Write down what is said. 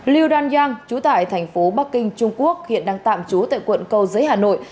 liu dan yang trú tại thành phố bắc kinh trung quốc hiện đang tạm trú tại quận cầu giới hà nội